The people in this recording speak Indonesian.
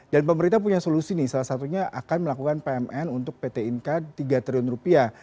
dan pemerintah punya solusi nih salah satunya akan melakukan pmn untuk pt inkr tiga triliun rupiah